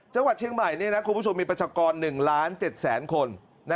จังหวัดเชียงใหม่นี่นะคุณผู้สูงมีประชากร๑ล้าน๗๐๐คน